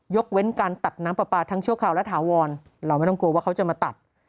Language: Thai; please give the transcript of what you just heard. เว้นการตัดน้ำปลาปลาทั้งชั่วคราวและถาวรเราไม่ต้องกลัวว่าเขาจะมาตัด